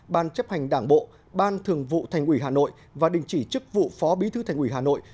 ban chấp hành đảng bộ ban thường vụ thành ủy hà nội và đình chỉ chức vụ phó bí thư thành ủy hà nội